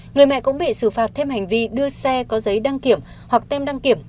người mẹ cũng bị xử phạt thêm hành vi đưa xe có giấy đăng kiểm hoặc tem đăng kiểm